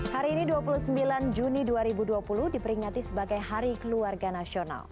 hari ini dua puluh sembilan juni dua ribu dua puluh diperingati sebagai hari keluarga nasional